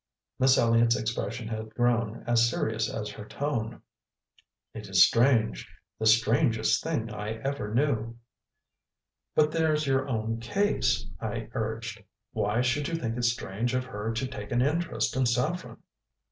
Miss Elliott's expression had grown as serious as her tone. "It is strange; the strangest thing I ever knew." "But there's your own case," I urged. "Why should you think it strange of her to take an interest in Saffren?"